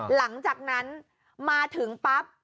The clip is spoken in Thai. หลังจากนั้นมาถึงปั๊บ